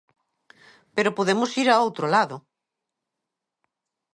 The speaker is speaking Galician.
Pero podemos ir a outro lado.